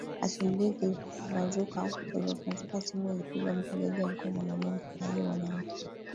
Asubuhi kulipopambazuka simu ilipigwa mpigaji alikuwa mwanaume mpokeaji mwanamke